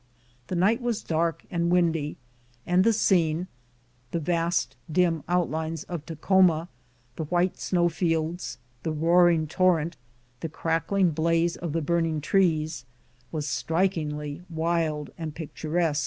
The night was dark and windy, and the scene — the vast, dim outlines of Takhoma, the white snqw fields, the roaring torrent, the crackling blaze of the burning trees — was strikingly wild and picturesque.